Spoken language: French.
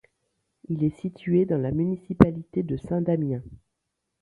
Il est situé dans la municipalité de Saint-Damien.